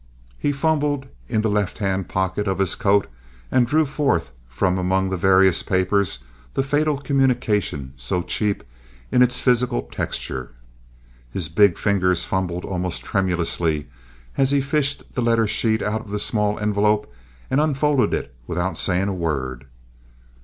He fumbled in the left hand pocket of his coat and drew forth from among the various papers the fatal communication so cheap in its physical texture. His big fingers fumbled almost tremulously as he fished the letter sheet out of the small envelope and unfolded it without saying a word.